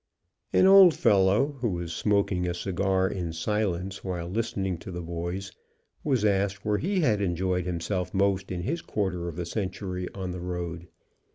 An old fellow, who was smoking a cigar in silence, while listening to the boys, was asked where he had enjoyed himself most in his quarter of a century on the road.